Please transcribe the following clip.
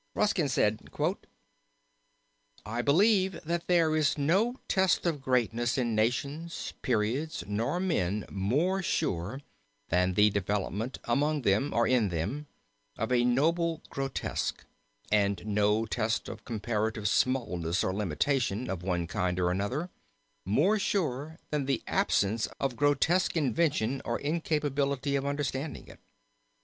Ruskin said: "I believe that there is no test of greatness in nations, periods, nor men more sure than the development, among them or in them, of a noble grotesque, and no test of comparative smallness or limitation, of one kind or another, more sure than the absence of grotesque invention or incapability of understanding it.